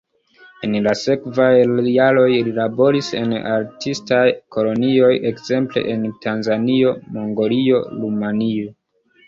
En la sekvaj jaroj li laboris en artistaj kolonioj ekzemple en Tanzanio, Mongolio, Rumanio.